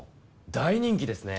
大人気ですね！